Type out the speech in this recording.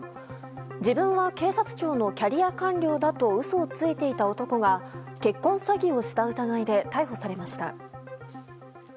自分は警察庁のキャリア官僚だと嘘をついていた男が結婚詐欺をした疑いで逮捕されました。